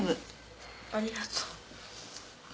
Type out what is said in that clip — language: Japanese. ありがとう。